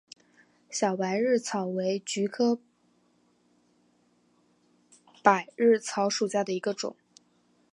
小百日草为菊科百日草属下的一个种。